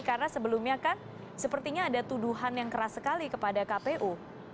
karena sebelumnya kan sepertinya ada tuduhan yang keras sekali kepada kpu